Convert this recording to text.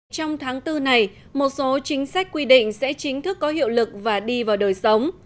trong tháng bốn này một số chính sách quy định sẽ chính thức có hiệu lực và đi vào đời sống